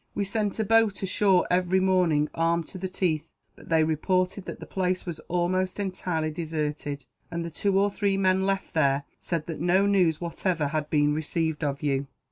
We sent a boat ashore, every morning, armed to the teeth; but they reported that the place was almost entirely deserted, and the two or three men left there said that no news, whatever, had been received of you."